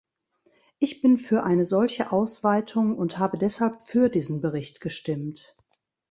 Ich bin für eine solche Ausweitung und habe deshalb für diesen Bericht gestimmt.